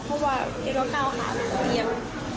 เพราะว่าเก๊ก็กล้าวขาเหลือเตียง